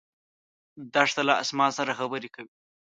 دښته له اسمان سره خبرې کوي.